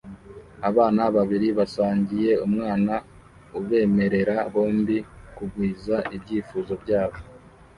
Abana babiri basangiye umwanya ubemerera bombi kugwiza ibyifuzo byabo